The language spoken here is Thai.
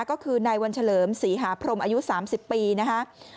ก็คือนายวันเฉลิมศรีหาพรมอายุ๓๐ปีนะคะ